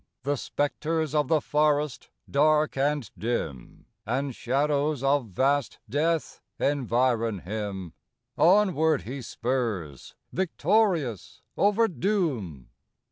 The spectres of the forest, dark and dim, And shadows of vast death environ him Onward he spurs victorious over doom.